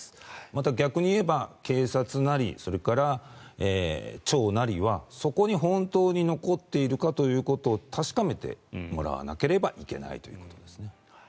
また逆に言えば警察なりそれから町なりはそこに本当に残っているかということを確かめてもらわなければいけないということですね。